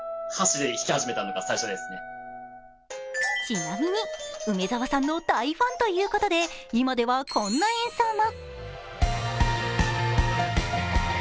ちなみに梅澤さんの大ファンということで今ではこんな演奏も。